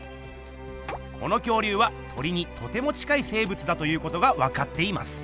この恐竜は鳥にとても近い生ぶつだということがわかっています。